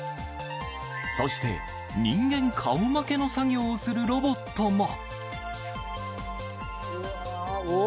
そして人間顔負けの作業をするロボットも。